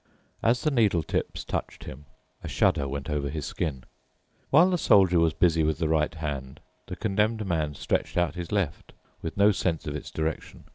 As the needle tips touched him, a shudder went over his skin. While the Soldier was busy with the right hand, the Condemned Man stretched out his left, with no sense of its direction.